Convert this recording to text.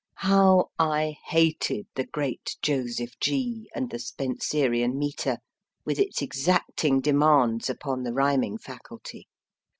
How I hated the great Joseph G. and the Spenserian metre, with its exacting demands upon the rhyming faculty